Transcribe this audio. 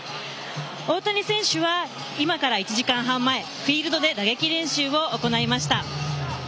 大谷選手は今から１時間半前、フィールドで打撃練習を行いました。